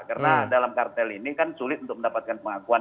karena dalam kartel ini kan sulit untuk mendapatkan pengakuan